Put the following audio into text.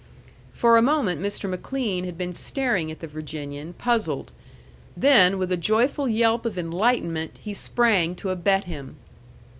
For a moment Mr. McLean had been staring at the Virginian, puzzled. Then, with a joyful yelp of enlightenment, he sprang to abet him.